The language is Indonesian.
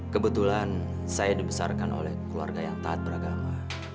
kebetulan saya dibesarkan oleh keluarga yang taat beragama